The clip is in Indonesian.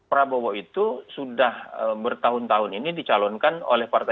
masalahnya adalah prabowo itu sudah bertahun tahun ini dicalonkan sebagai pemerintah